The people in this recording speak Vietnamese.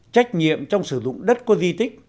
trách nhiệm trong sử dụng đất của di tích